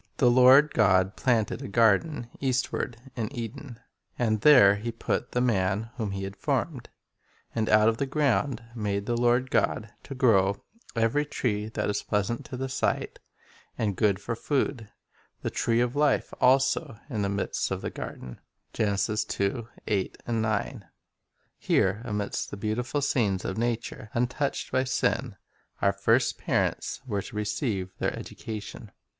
"The Lord God planted a garden eastward in Eden; and there He put the man whom He had formed. And out of the ground made the Lord God to grow every (20) 1 Heb. 2 : 7. The Eden School 21 tree that is pleasant to the sight, and good for food; the tree of life also in the midst of the garden." 1 Here, amidst the beautiful scenes of nature untouched by sin, our first parents were to receive their education.